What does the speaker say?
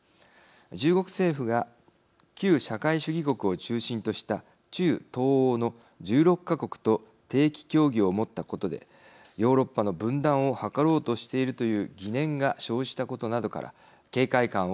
中国政府が旧社会主義国を中心とした中・東欧の１６か国と定期協議をもったことでヨーロッパの分断を図ろうとしているという疑念が生じたことなどから警戒感を強めていきます。